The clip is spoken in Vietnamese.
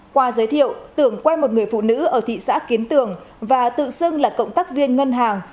qua giới thiệu tưởng quen một người phụ nữ ở thị xã kiến tường và tự xưng là cộng tác viên ngân hàng